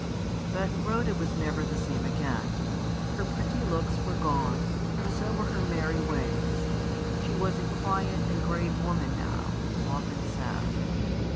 But Rhoda was never the same again. Her pretty looks were gone, and so were her merry ways. She was a quiet and grave woman now; often sad.